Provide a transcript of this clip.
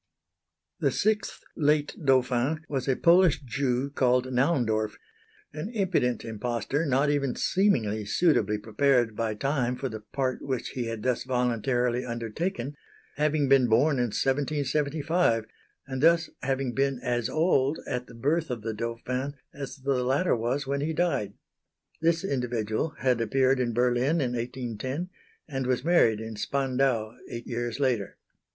The sixth "Late Dauphin" was a Polish Jew called Naundorf an impudent impostor not even seeming suitably prepared by time for the part which he had thus voluntarily undertaken, having been born in 1775, and thus having been as old at the birth of the Dauphin as the latter was when he died. This individual had appeared in Berlin in 1810, and was married in Spandau eight years later.